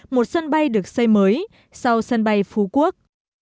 một sân bay được xây mới sau sân bay phú quốc